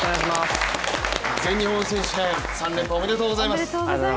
全日本選手権３連覇おめでとうございます！